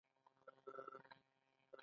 او لا هم مخکې روان دی.